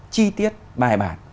chi tiết bài bản